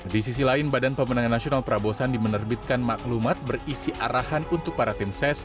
di sisi lain badan pemenangan nasional prabowo sandi menerbitkan maklumat berisi arahan untuk para tim ses